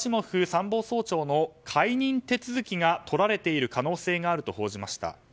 参謀総長の解任手続きがとられている可能性があると報じました。